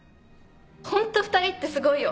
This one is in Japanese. ホント二人ってすごいよ